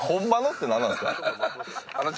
ってなんなんですか？